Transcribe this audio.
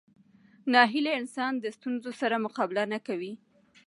ناهیلي انسان د ستونزو سره مقابله نه کوي.